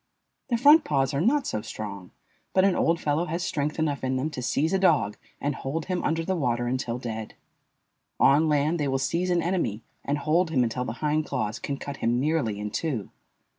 The front paws are not so strong, but an old fellow has strength enough in them to seize a dog and hold him under the water until dead. On land they will seize an enemy and hold him until the hind claws can cut him nearly in two.